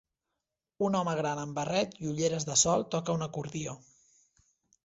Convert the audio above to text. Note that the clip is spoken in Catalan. Un home gran amb barret i ulleres de sol toca un acordió.